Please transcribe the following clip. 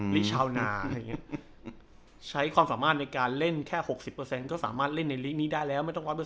ลีกชาวนาใช้ความสามารถในการเล่นแค่๖๐ก็สามารถเล่นในลีกนี้ได้แล้วไม่ต้อง๑๐๐หรอก